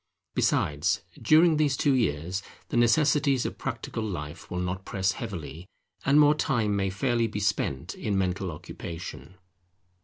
Besides, during these two years, the necessities of practical life will not press heavily, and more time may fairly be spent in mental occupation.